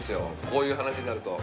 こういう話になると。